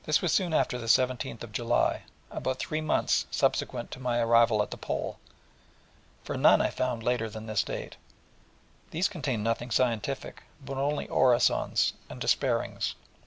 soon after the 17th July about three months subsequent to my arrival at the Pole for none I found later than this date; and these contained nothing scientific, but only orisons and despairings.